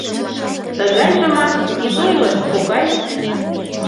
— Тыгайжымак ит ойлышт, кокай.